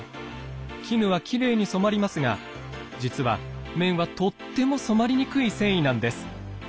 絹はきれいに染まりますが実は綿はとっても染まりにくい繊維なんです。